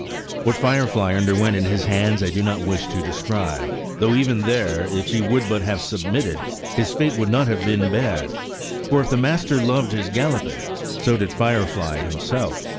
What Firefly underwent in his hands I do not wish to describe, though, even there, if he would but have submitted, his fate would not have been bad, for if the master loved his galloping, so did Firefly himself.